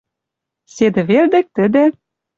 Седӹ велдӹк тӹдӹ